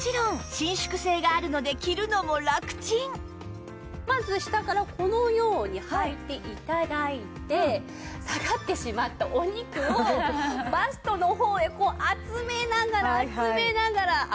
もちろんまず下からこのようにはいて頂いて下がってしまったお肉をバストの方へこう集めながら集めながら上げていきます。